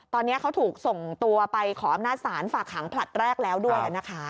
ตอนนี้เขาถูกส่งตัวไปขออำนาจศาลฝากหางผลัดแรกแล้วด้วยนะคะ